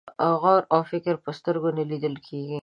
غور او فکر په سترګو نه لیدل کېږي.